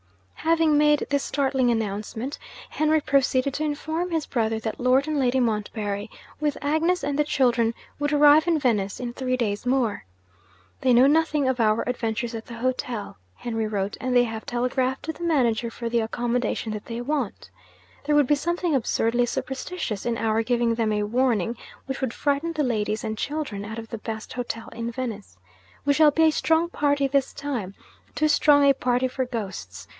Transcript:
Having made this startling announcement, Henry proceeded to inform his brother that Lord and Lady Montbarry, with Agnes and the children, would arrive in Venice in three days more. 'They know nothing of our adventures at the hotel,' Henry wrote; 'and they have telegraphed to the manager for the accommodation that they want. There would be something absurdly superstitious in our giving them a warning which would frighten the ladies and children out of the best hotel in Venice. We shall be a strong party this time too strong a party for ghosts!